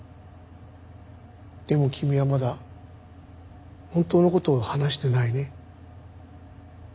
でも君はまだ本当の事を話していないね。